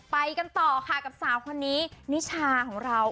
ไปกันต่อค่ะกับสาวคนนี้นิชาของเรา